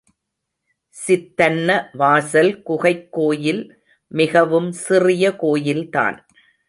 சித்தன்ன வாசல் குகைக் கோயில் மிகவும் சிறிய கோயில்தான்.